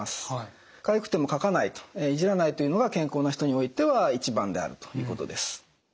かゆくてもかかないいじらないというのが健康な人においては一番であるということです。